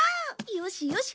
よしよし。